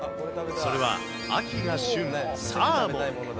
それは、秋が旬、サーモン。